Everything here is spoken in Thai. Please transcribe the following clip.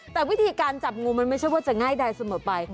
แต่วิธีการจับงูมันไม่ใช่ว่าจะง่ายใดเสมอไป